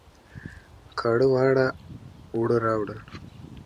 کاڼه واړه اوړه راوړل